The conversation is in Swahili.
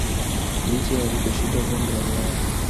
licha ya kutoshindwa kombe la Ulaya